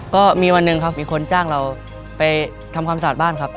ก็มีวันหนึ่งครับมีคนจ้างเราไปทำความสะอาดบ้านครับ